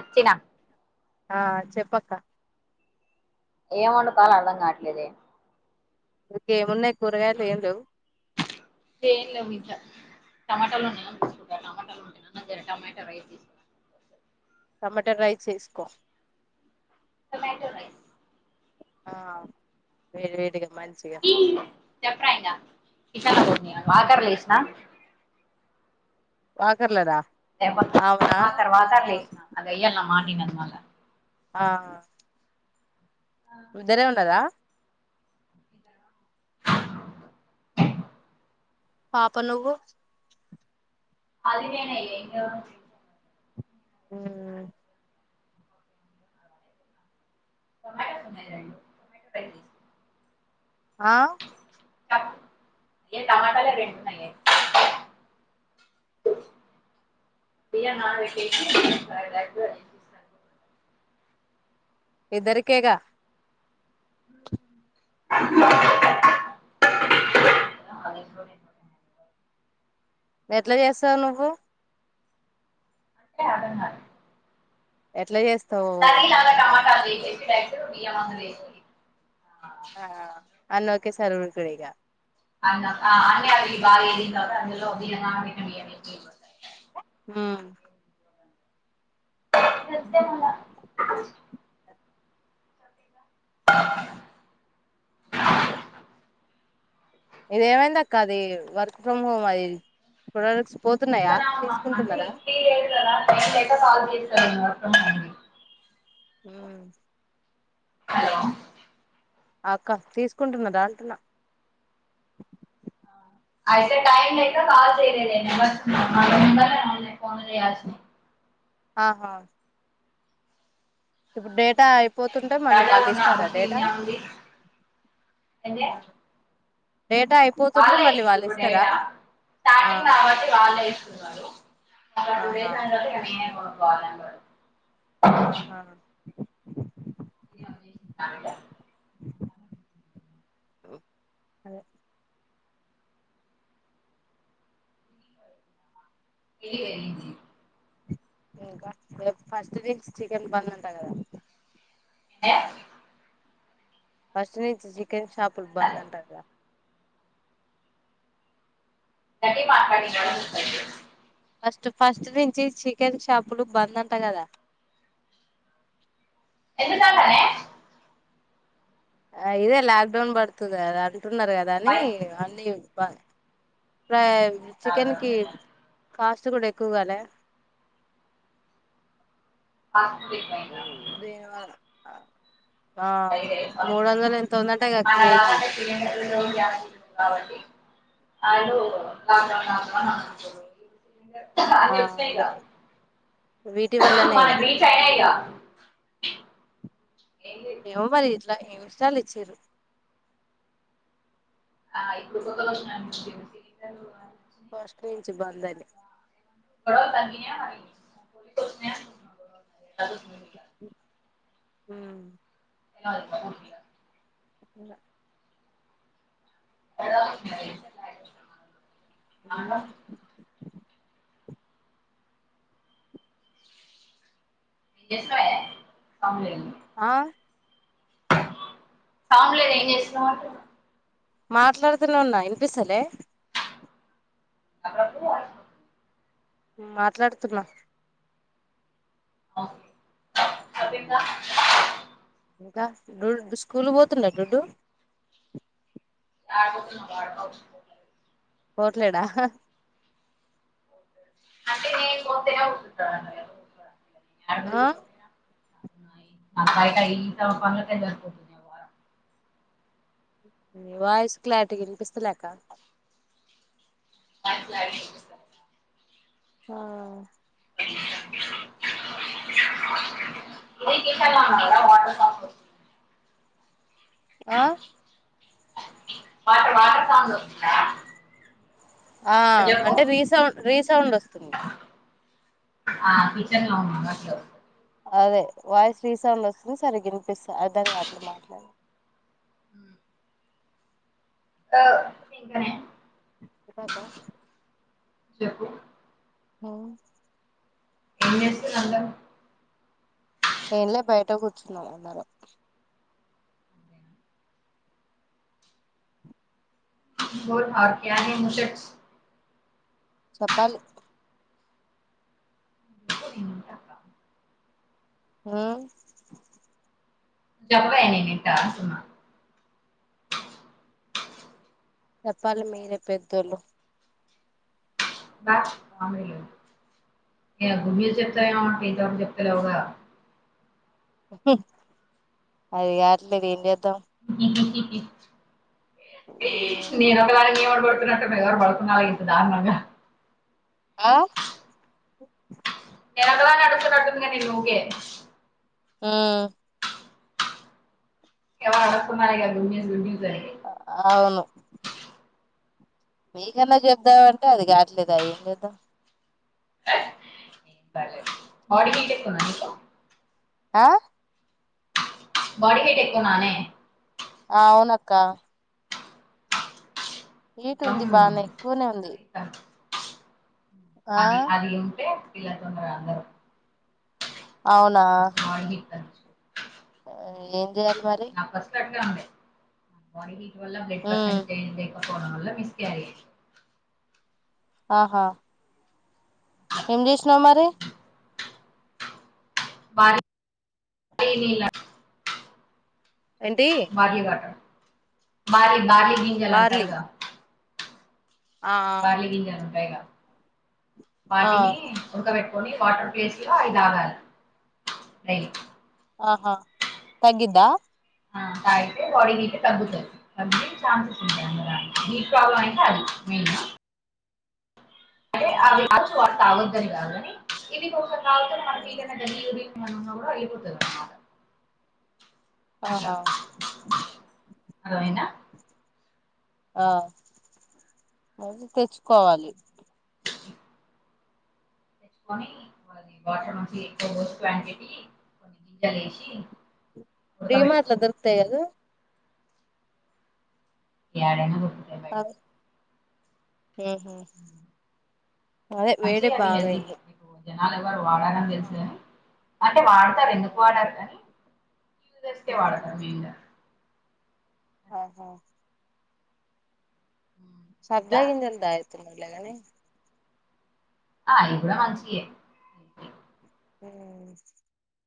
వచ్చిన ఆ చెప్పక్క ఏమొండుకోవాలో అర్థం కావట్లేదే ఇంకేమున్నాయి కూరగాయలు ఏం లెవ్ ఏం లెవ్వు ఇంట్ల టమాటలు స [unintelligible] టమాటో రైస్ చేసుకున్న టమాటా రైస్ చేస్కో టొమాటో రైస్ ఆ వేడి వేడిగా మంచిగ కిష రోన్ని వాటర్లో ఏసిన వాకర్లేదా [unintelligible] మా తర్వాత అది ఏసినారు అది ఎయ్యల్ల మాటినది మల్ల ఆ ఉద్దరే ఉన్నరా పాప నువ్వు అది పోయినయి ఏందో మ్మ్ టమోటాలు ఉన్నాయి కదండీ టమాటో రైస్ చేసుకుంటా ఆ టకు ఏ టమాటాలే రెండున్నాయే తీయన [unintelligible] చూసాను ఇద్దరికేగా అది ఇంట్లోనే ఎట్లా చేస్తావు నువ్వు అంటే అదన్న ఎట్లా చేస్త [unintelligible] ఆ అన్ని ఓకేసారి ఊరితదిగా [unintelligible] ఊ [unintelligible] ఇది ఏమైంది అక్క అది వర్క్ ఫ్రమ్ హోమ్ అది [unintelligible] ఎప్ప అంటే తీసుకుంటున్నారా ఇలీారా [unintelligible] మ్ హలో ఆ అక్క తీసుకుంటున్నదాంటున్నా అయితే టైం లేక కాల్ చేయలేదే [unintelligible] ఫోన్ చేయాల్సింది ఆ హా ఇప్పుడు డే టా అయిపోతుంటే మళ్ళీ దండాలు వాళ్ళు ఉన్నా ఇస్తారా బుక్ డేటా ఉంది ఏంటే డేటా అయిపోతుంటే వాళ్ళే మళ్ళీ వాళ్ళు ఇస్తున్రు ఇస్తారా డేటా ఆ స్టార్టింగ్ కాబట్టి వాళ్ళే ఇస్తున్నారు మళ్ళా టు ఆహా డేస్ అయిన తరువాత ఇగా నేనే కొనుక్కోవాలి అన్నాడు ఆ హా ఇదే ఉద్దేశం నా మీద. ఆ అదే [inaudible] ఇంకా రేపు ఫస్ట్ నుంచి చికెన్ బందంటా కదా అంటే అర్థం ఫస్ట్ నుంచి చికెన్ షాపులు బంద్ కాలేదు. అంటాగా గట్టిగ మాట్లాడు గదా వినిపిస్తలేదు ఫస్ట్ ఫస్ట్ నుంచి చికెన్ షాపులు బంద్ అంటా గదా ఎందుకంటనే ఇదే లాక్ డౌన్ పడుతుంది కదా అంటున్నారు కదా అని వై అన్నీ చే [unintelligible] చికెన్ కి కాస్ట్ చ్చు గూడా ఎక్కువగాలే ఫాస్ట్ ఫుడ్ [unintelligible] దేవా [unintelligible] ఉందంటే ఇక అ కేజీ ఆ అన్ని వచ్చినాయి గా ఇదే వీటి వల్లనే ఇగ మనకి రీచ్ అయినాయి గా లేదు ఏమో మరి ఇట్లా ఇంస్టా లా ఇచ్చిళ్లు ఆ ఇప్పుడు [unintelligible] ఫస్ట్ నుంచి బందని [inaudible] మ్మ్ [inaudible] ఇంగా అ మ్మ్ ఎం చేసినవే [unintelligible] ఆ సౌండ్ లేదు ఏం చేస్తున్నావ్ అటు మాట్లాడుతూనే ఉన్నా వినిపిస్తలే అ మాట్లాడుతున్నా [unintelligible] ఇంకా డు స్కూల్ పోతుండ డుడ్డు ఆ పోట్లేడా అంట నేను పోతే పోతనన్నాడు ఆ [unintelligible] బయట ఈ తవ పనులకే సరిపోతుంది వాయిస్ క్లారిటీగ ఇనిపిస్తలే అక్క మాట్లాడింది ఇనిపిస్త ఆ అ [unintelligible] ఇది కిచెన్ లో ఉన్న కదా వాటర్ సౌండ్ వస్ ఆ వాటర్ వాటర్ సౌండ్ వస్తుందా ఆ ఇప్పుడు చెప్పు అంటే రీసౌండ్ రీసౌండ్ వస్తుంది ఆ కిచన్ లో ఉన్నానా అప్పుడు అదే వాయిస్ రీసౌండ్ వస్తుంది సరిగ్గినిపిస అర్థంగావట్లే మాట్లాడే మ్మ్ ఇంకనే ఇంకాక చెప్పు మ్మ్ ఏంచేస్తుర్రు అందరూ ఏం లే బయట కూర్చున్నాం అందరం బోల్ [unintelligible] నీ ముచ్చట్స్ చెప్పాలి [unintelligible] మ్మ్ నువ్ చెప్పవే నేనింటా అంటున్న చెప్పాలి మీరే పెద్దోళ్ళు [unintelligible] మమ్మీ ఇగ భూమ్మీద చెప్తవేమో [unintelligible] చెప్తలేవుగా అది కాట్లేదు ఏం చేద్దాం నేనొకదాన్ని ఏమననుకుంట్ [unintelligible] పడుకున్నావా ఇంక దారుణంగా ఆ నేనొక్కదాన్నే అడుగుతున్నట్టుంది గా నిన్ను ఊకె మ్మ్ ఎవ అనక్కు మరి బూమ్మీద [unintelligible] అవును మీకన్నా చెద్దామంటే అది కాట్లేదు అ ఏం చేద్దాం సరే మామిడికాయ్ చెట్టుందా నీకు ఆ మామిడికాయి చెట్టుందానే ఆ అవునక్క హీట్ కొంచెం ఉంది బానే ఎక్కువనే ఉంది అది తగ్గు- ఆ అది అది ఉంటే పిల్లలు తొందర అందరు [inaudible] అవునా ఏం చేయాలి మరి వన్ వీక్ వల్ల బ్లడ్ పర్సెంట్ [unintelligible] [unintelligible] ఆహా ఏం చేసినావు మరి [unintelligible] ఏంటి భార్లీ వాటర్ భార్లీ భార్లీ గింజలు బార్లీ అంటారుగా ఆ బార్లీ గింజలు ఉంటాయిగా ఆ పాటిని ఉడకపెట్ ట్టుకొని వాటర్ ప్లేస్ లో అవి తాగాలి ఆహా తగ్గిద్దా ఆ తాగితే బాడీ హీట్ తగ్గుతది తగ్గే చాన్సెస్ ఉంటాయి కదా హీట్ ప్రాబ్లమ్ అయితే అది మీకా అంటే ఆ అవి చ తాగుద్దని కాదు గాని ఇది ఒకసారి తాగితే మనకేదైనా [unintelligible] న్నా కూడా వెళ్ళిపోతది ఆహ అర్ధం అయిందా ఆ మళ్ళీ తెచ్చుకోవాలి తెచ్చుకొని [unintelligible] వాటర్ నుంచి ఎక్కువ [unintelligible] [unintelligible] డిమార్ట్ ఉడకబెట్టుకో లో దొరుకుతయా అవి ఎడన్న దొరుకుతాయి బయట మ్ హ్ అదే మంచి వేడి అవి బాగా హెల్దీకి అయింది మీకు జనాలు ఎవరు వాడారని తెలుసు కాని అంటే ఆ వాడతారు ఎందుకు వాడారు కానీ [unintelligible] ఉమ్ వాడతారు మెయిన్ గా ఆహా ఇంకా సబ్జాగింజలు తాగితున్నలే గాని ఆ అది కూడా మంచియే మ్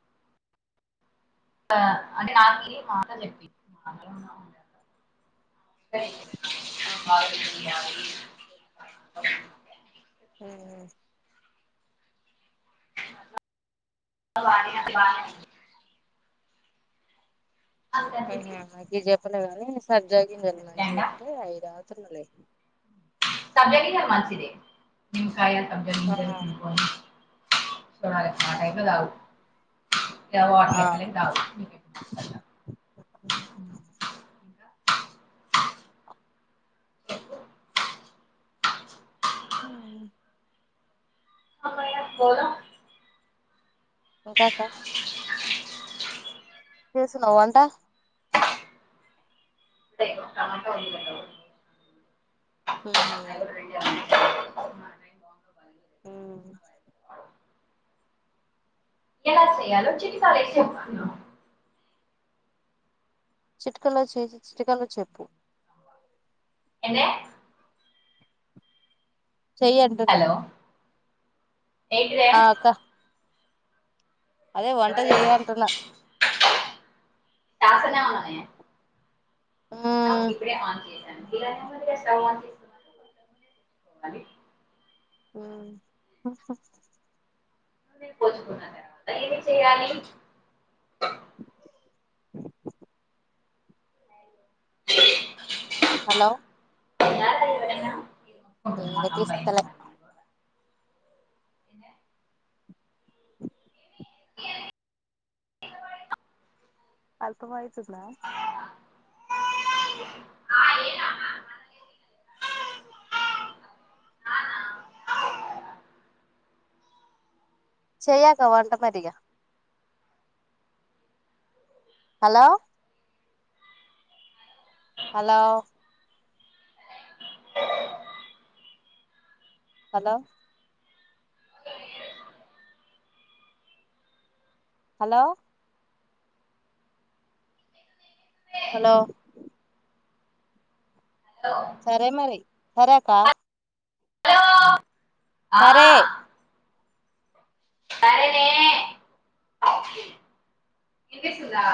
అంటే నాకి మా [unintelligible] చెప్పింది ఆహా మ్ మ్ వ అందుకని చెప్పి ఆహా అవి చెప్పలే గా నీ సబ్జా గింజలు మంచివి అండర్స్టాండా అంటే అవి తాగుతున్నాలే సబ్జా గింజలు మంచిది నిమ్మకాయ సబ్జా ఆ గింజలు [unintelligible] చూడాలే ఆ టైం లో తాగు వాటర్ ఆ లెక్కనే తాగు ఇంకా చెప్పు ఆ [unintelligible] ఉంటాక్కా చేస్తూన్నావ వంట ఇదే ఇగో టమాటా ఉల్లిగడ్డ కూడా. మ్మ్ హ్ అవి కూడా రెండే ఉన్నాయి. మా నాయన బాగుందో బాగాలేదో ఊ తెలియదు. ఎలా చేయాలో చిటిక వేసి చెప్తాను చిటికెలో చేసి చిటికెలో చెప్పు ఏంది చేయొద్దట హలో ఏంటిదే అదే వంట ఎవరే చేయనున్న హఫ్ నవరే న్నం ఉమ్ ఇప్పుడే ఆన్ చేశాను ఇలానేందిగా స్టవ్ అది ఉ ఏం చెయ్యాలి హలో ఇనిపిస్తలే [unintelligible] ఎందే ఇంకేంది అర్థమైతుందా [unintelligible] చేయక్క వంట పతిగ hello hello hello hello hello hello. సరే మరి సరేక్కా ఆ, సరే ఆ సరేనే ఇనిపిస్తుందాక్క